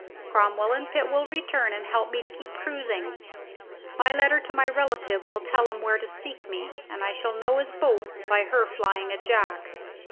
Cromwell and Pitt will return and help me to keep cruising. My letter to my relative will tell him where to seek me, and I shall know his boat by her flying a jack.